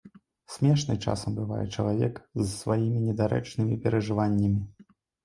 Смешны часам бывае чалавек з сваімі недарэчнымі перажываннямі.